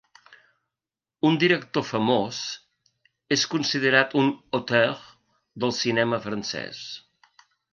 Un director famós, és considerat un "auteur" del cinema francès.